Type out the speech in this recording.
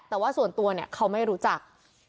แต่ว่าส่วนตัวเนี่ยเขาไม่รู้จัก